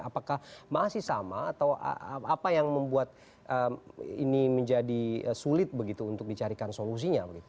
apakah masih sama atau apa yang membuat ini menjadi sulit begitu untuk dicarikan solusinya